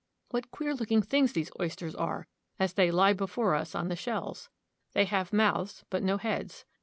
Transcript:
What queer looking things these oysters are as they lie before us on the shells! They have mouths, but no heads.